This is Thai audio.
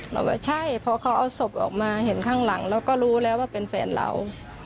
เราก็ใช่พอเขาเอาศพออกมาเห็นข้างหลังเราก็รู้แล้วว่าเป็นแฟนเรา